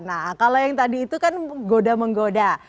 nah kalau yang tadi itu kan goda menggoda